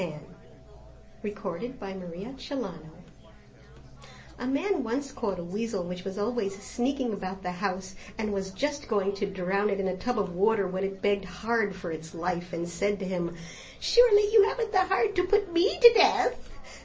THE WEASEL AND THE MAN A Man once caught a Weasel, which was always sneaking about the house, and was just going to drown it in a tub of water, when it begged hard for its life, and said to him, "Surely you haven't the heart to put me to death?